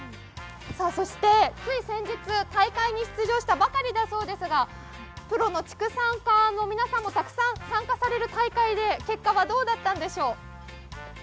そして、つい先日、大会に出場したばかりですが、プロの畜産家の皆さんもたくさん参加される大会で結果はどうだったんでしょう。